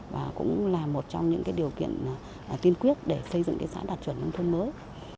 và cũng là một trong những điều kiện tiên quyết để xây dựng xã đạt chuẩn nông thôn mới